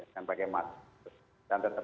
jangan pakai mask jangan tetap